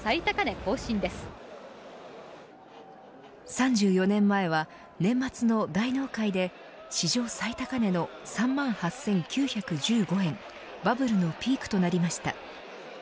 ３４年前は年末の大納会で史上最高値の３万８９１５円バブルのピークとなりました。